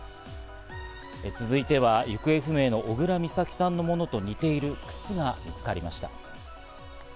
続いては行方不明の小倉美咲さんのものと似ている靴が見つかりました。